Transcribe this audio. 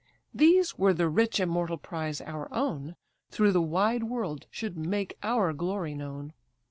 These, were the rich immortal prize our own, Through the wide world should make our glory known."